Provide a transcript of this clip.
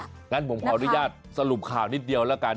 งั้นผมขออนุญาตสรุปข่าวนิดเดียวแล้วกัน